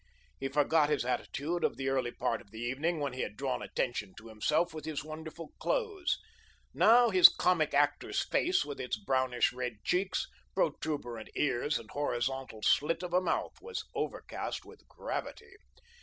He forgot his attitude of the early part of the evening when he had drawn attention to himself with his wonderful clothes. Now his comic actor's face, with its brownish red cheeks, protuberant ears and horizontal slit of a mouth, was overcast with gravity.